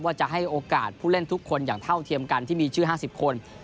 ว่าจะให้โอกาสผู้เล่นทุกคนอย่างเท่าเทียมกันที่มีชื่อ๕๐คน